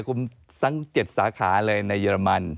คุณสร้าง๗สาขาเลยในเยอรมัน